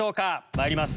まいります